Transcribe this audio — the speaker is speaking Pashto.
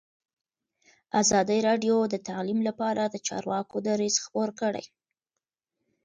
ازادي راډیو د تعلیم لپاره د چارواکو دریځ خپور کړی.